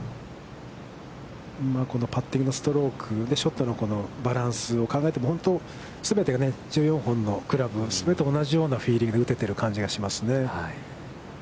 このパッティングのストローク、ショットのバランスを考えても、本当、全てが１４本のクラブ、全て同じようなフィーリングで打てているような感じがしますね。